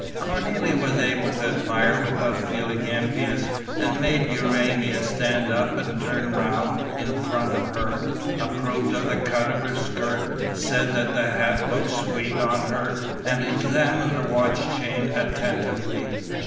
Cornélie was able to admire without feeling envious and made Urania stand up and turn round in front of her, approved of the cut of her skirt, said that the hat looked sweet on her and examined the watch chain attentively.